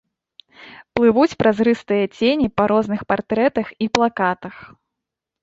Плывуць празрыстыя цені па розных партрэтах і плакатах.